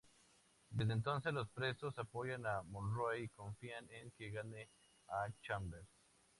Desde entonces los presos apoyan a Monroe y confían en que gane a Chambers.